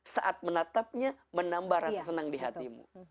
saat menatapnya menambah rasa senang di hatimu